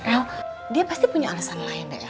el dia pasti punya alasan lain el